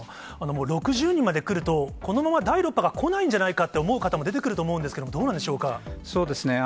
６０にまで来ると、このまま第６波が来ないんじゃないかって思う方も出てくると思うんですが、そうですね。